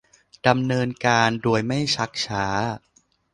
ดำเนินการโดยไม่ชักช้า